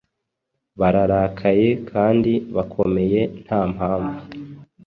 bararakaye kandi bakomeye Ntampamvu